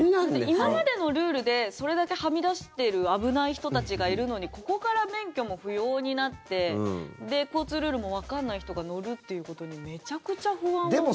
今までのルールでそれだけはみ出してる危ない人たちがいるのにここから免許も不要になって交通ルールもわかんない人が乗るということにめちゃくちゃ不安を覚えますけど。